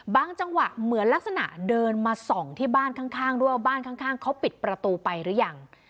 จังหวะเหมือนลักษณะเดินมาส่องที่บ้านข้างด้วยว่าบ้านข้างเขาปิดประตูไปหรือยัง